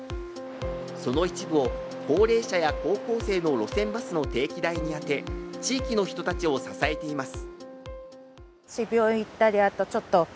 その一部を高齢者や高校生の路線バスの定期代に充て、地域の人たちを支えています。